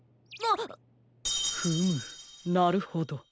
フムなるほど。